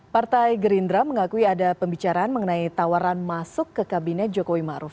partai gerindra mengakui ada pembicaraan mengenai tawaran masuk ke kabinet jokowi ⁇ maruf ⁇